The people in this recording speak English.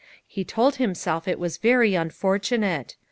He told himself that it was very unfortunate.